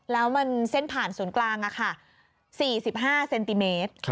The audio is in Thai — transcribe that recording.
แล้วมันเส้นผ่านศูนย์กลาง๔๕เซนติเมตร